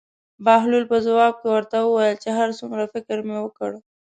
بهلول په ځواب کې ورته وویل چې هر څومره فکر مې وکړ.